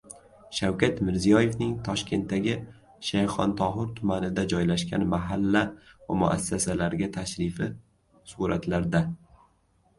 Shavkat Mirziyoyevning Toshkentdagi Shayxontohur tumanida joylashgan mahalla va muassasalarga tashrifi — suratlarda